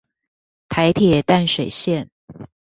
台鐵淡水線